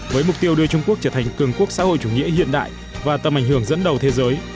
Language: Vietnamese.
với mục tiêu đưa trung quốc trở thành cường quốc xã hội chủ nghĩa hiện đại và tầm ảnh hưởng dẫn đầu thế giới